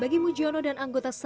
bagi mujiono dan anggota sanggar ini